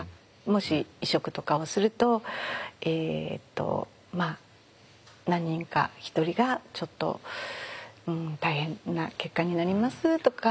もし移植とかをするとえっとまあ何人か１人がちょっと大変な結果になりますとか。